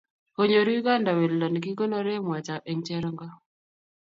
konyoru Uganda weldo nekikonori mwaita eng cherongo